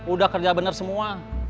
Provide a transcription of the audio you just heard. udah kerja bener semua